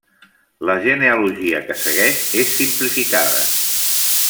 La genealogia que segueix és simplificada.